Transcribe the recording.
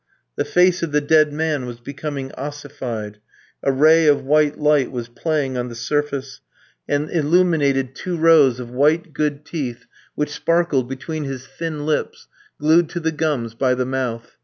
The face of the dead man was becoming ossified; a ray of white light was playing on the surface and illuminated two rows of white, good teeth which sparkled between his thin lips, glued to the gums by the mouth.